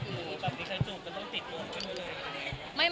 แบบนี้ใครจูบก็ต้องติดตัวเลย